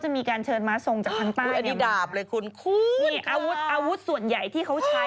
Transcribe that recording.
มีองค์